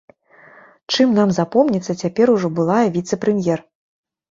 Чым нам запомніцца цяпер ужо былая віцэ-прэм'ер?